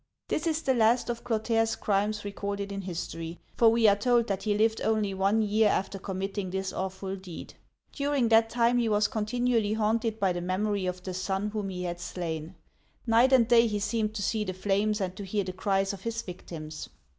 This is the last of Clotaire*s crimes recorded in history, for we are told that he lived only one year after committing this awful deed. During that time he was continually haunted by the memory of the son whom he had slain. Night and day he seemed to see the flames and to hear the cries of his victims.